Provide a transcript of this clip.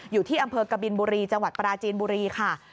อยู่ที่อำเภอกบินบุรีจังหวัดปราจีนบุรีค่ะ